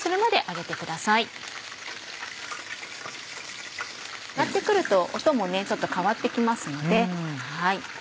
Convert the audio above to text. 揚がって来ると音もちょっと変わって来ますので。